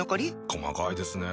細かいですね。